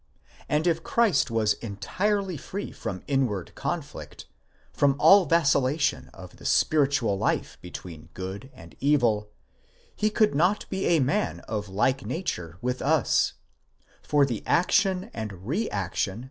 And if Christ was entirely free from in ward conflict, from all vacillation of the spiritual life between good and evil, he could not be a man of like nature with us; for the action and re action.